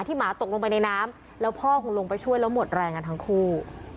หมาตกลงไปในน้ำแล้วพ่อคงลงไปช่วยแล้วหมดแรงกันทั้งคู่